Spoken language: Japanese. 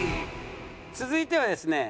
続いてはですね